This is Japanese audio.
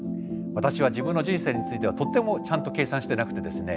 私は自分の人生についてはとてもちゃんと計算してなくてですね